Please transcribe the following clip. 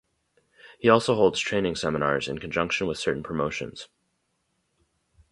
He also holds training seminars in conjunction with certain promotions.